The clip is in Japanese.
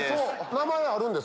名前あるんですか？